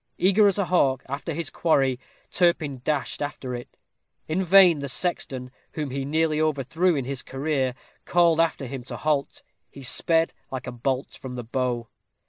Eager as a hawk after his quarry, Turpin dashed after it. In vain the sexton, whom he nearly overthrew in his career, called after him to halt. He sped like a bolt from the bow.